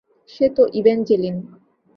সে তো ইভ্যাঞ্জেলিন।